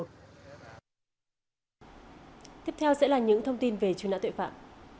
tiếp theo sẽ là những thông tin về truy nã tội phạm